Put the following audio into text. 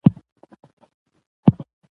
توتکۍ ورته په سرو سترګو ژړله